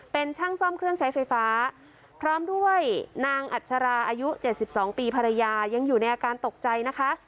เป็นช่างซ่อมเครื่องใช้ไฟฟ้าพร้อมด้วยนางอัชราอายุ๗๒ปีภรรยายังอยู่ในอาการตกใจนะคะ